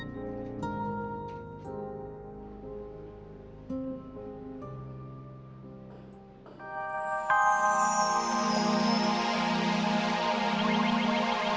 mau makan apa